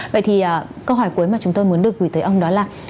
vậy thì câu hỏi cuối mà chúng tôi muốn được gửi tới ông đó là